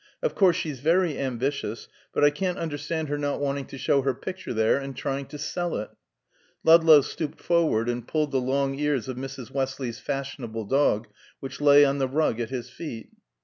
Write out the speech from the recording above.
Of course, she's very ambitious; but I can't understand her not wanting to show her picture, there, and trying to sell it." Ludlow stooped forward and pulled the long ears of Mrs. Westley's fashionable dog which lay on the rug at his feet.